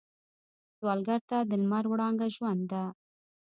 سوالګر ته د لمر وړانګه ژوند ده